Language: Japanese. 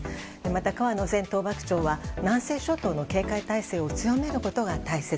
また河野前統幕長は南西諸島の警戒態勢を強めることが大切。